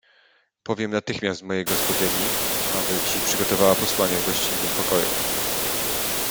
"Powiem natychmiast mojej gospodyni, aby ci przygotowała posłanie w gościnnym pokoju."